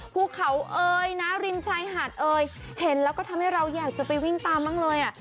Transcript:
ภูเขาเอ่ยนะริมชายหาดเอ่ยเห็นแล้วก็ทำให้เราอยากจะไปวิ่งตามบ้างเลยอ่ะ